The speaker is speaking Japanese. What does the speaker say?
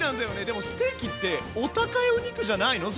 でもステーキってお高いお肉じゃないの？